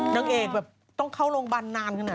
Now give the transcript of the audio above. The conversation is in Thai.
นางเอกแบบต้องเข้าโรงพยาบาลนานขนาด